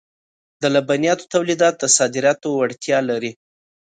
د لبنیاتو تولیدات د صادراتو وړتیا لري.